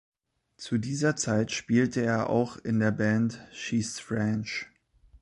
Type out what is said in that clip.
Zu dieser Zeit spielte er auch in der Band She's French.